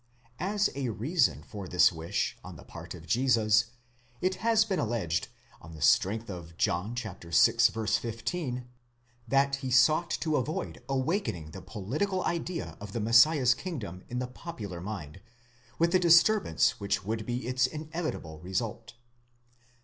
As a reason for this wish on the part of Jesus, it has been alleged, on the strength of John vi. 15, that he sought to avoid awakening the political idea of the Messiah's kingdom in the popular mind, with the disturbance which would be its inevitable result.